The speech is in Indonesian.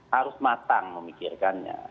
harus matang memikirkannya